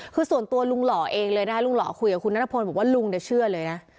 คือส่วนตัวลุงหล่อเองเลยนะคะลุงหล่อคุยกับคุณนัทพลบอกว่าลุงเนี่ยเชื่อเลยนะ